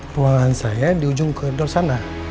ruangan saya di ujung gd sana